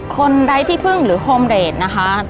ไร้ที่พึ่งหรือโฮมเรทนะคะ